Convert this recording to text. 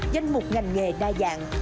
danh mục ngành nghề đa dạng